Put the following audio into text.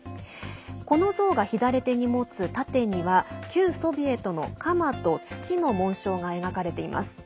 この像が左手に持つ盾には旧ソビエトの鎌と、つちの紋章が描かれています。